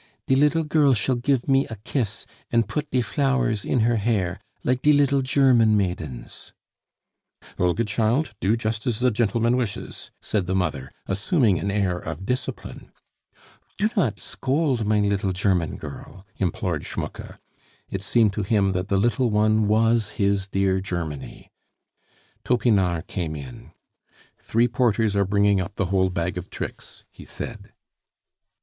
"De liddle girl shall gif me a kiss and put die flowers in her hair, like die liddle German maidens " "Olga, child, do just as the gentleman wishes," said the mother, assuming an air of discipline. "Do not scold mein liddle German girl," implored Schmucke. It seemed to him that the little one was his dear Germany. Topinard came in. "Three porters are bringing up the whole bag of tricks," he said.